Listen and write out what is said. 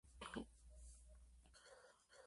Phoebe Tonkin nació en Sídney, Australia.